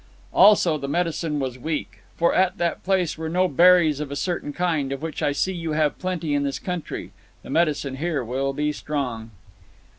"Also, the medicine was weak. For at that place there were no berries of a certain kind, of which I see you have plenty in this country. The medicine here will be strong."